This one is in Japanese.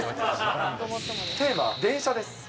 テーマ、電車です。